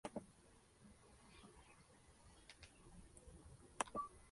Algunos de esos países son Andorra, Costa Rica y Liechtenstein.